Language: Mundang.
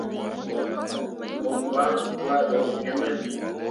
Mo ɓan gwado gi me.